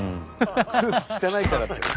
「空気汚いから」って。